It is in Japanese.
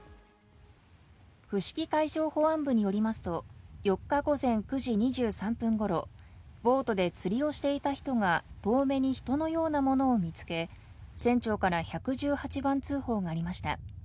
伏木海上保安部によりますと、４日午前９時２３分ごろ、ボートで釣りをしていた人が遠目に人のようなものを見つけ、船長から１１８番通報がありました。